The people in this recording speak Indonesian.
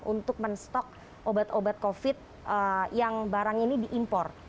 untuk men stok obat obat covid yang barang ini diimpor